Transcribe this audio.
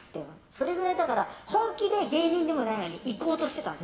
それくらい本気で芸人でもないのに行こうとしてたんです。